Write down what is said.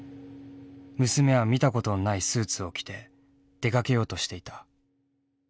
娘は見たことのないスーツを着て出かけようとしていた。